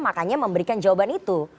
makanya memberikan jawaban itu